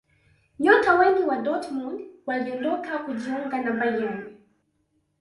nyota wengi wa dortmund waliondoka kujiunga na bayern